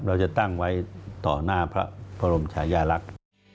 เราจะตั้งไว้ต่อหน้าพระบรมชายาลักษณ์